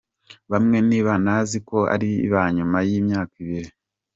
Bamwe ntibanazi ko riba nyuma y’imyaka ibiri.